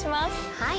はい。